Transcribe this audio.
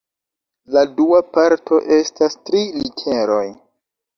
La dua parto estas tri literoj.